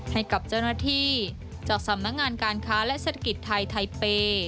ให้กับเจ้าหน้าที่จากสำนักงานการค้าและเศรษฐกิจไทยไทเปย์